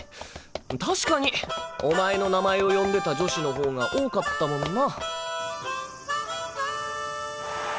確かにお前の名前を呼んでた女子の方が多かったもんな。